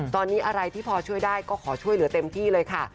ตอนนี้อะไรที่พอช่วยได้ก็ขอช่วยเหลือเต็มที่เลยค่ะ